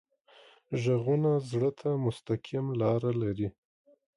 غږونه زړه ته مستقیم لاره لري